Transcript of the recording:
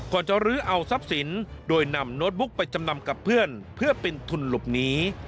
จะลื้อเอาทรัพย์สินโดยนำโน้ตบุ๊กไปจำนำกับเพื่อนเพื่อเป็นทุนหลบหนี